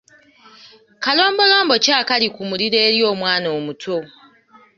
Kalombolombo ki akali ku muliro eri omwana omuto?